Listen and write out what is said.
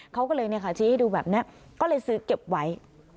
เขาก็เลยเนี่ยค่ะชี้ให้ดูแบบนั้นก็เลยซื้อเก็บไว้